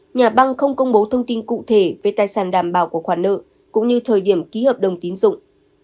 nhà băng không công bố thông tin cụ thể về tài sản đảm bảo của khoản nợ cũng như thời điểm ký hợp đồng tín dụng